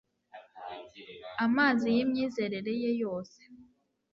Amazi y'imyizerere ye yose